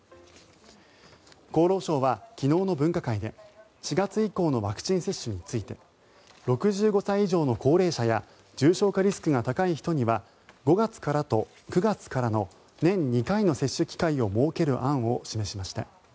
厚労省は昨日の分科会で４月以降のワクチン接種について６５歳以上の高齢者や重症化リスクが高い人には５月からと９月からの年２回の接種機会を設ける案を示しました。